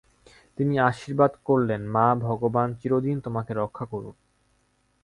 তিনি আশীর্বাদ করলেন, মা, ভগবান চিরদিন তোমাকে রক্ষা করুন।